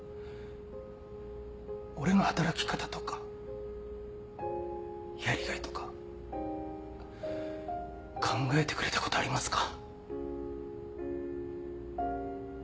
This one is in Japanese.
俺の働き方とかやりがいとか考えてくれたことありますか？